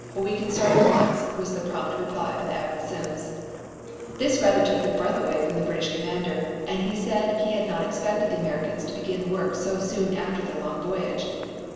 "We can start at once," was the prompt reply of Admiral Sims. This rather took the breath away from the British commander and he said he had not expected the Americans to begin work so soon after their long voyage.